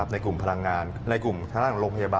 ในกลุ่มพลังงานในกลุ่มทางด้านของโรงพยาบาล